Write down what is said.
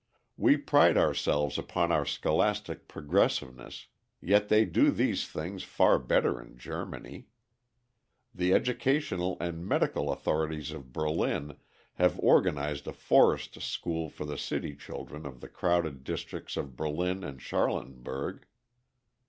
We pride ourselves upon our scholastic progressiveness, yet they do these things far better in Germany. The educational and medical authorities of Berlin have organized a forest school for the city children of the crowded districts of Berlin and Charlottenburg.